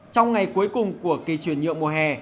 trong ngày cuối cùng của kỳ chuyển nhượng mùa hè